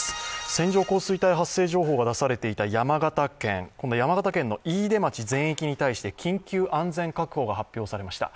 線状降水帯発生情報が出されていた山形県、この山形県の飯豊町全域に対して緊急安全確保が発表されました。